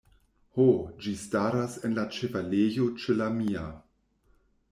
Ho; ĝi staras en la ĉevalejo ĉe la mia.